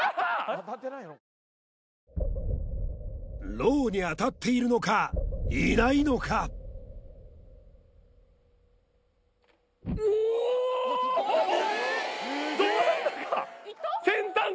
ロウに当たっているのかいないのかうおーっ！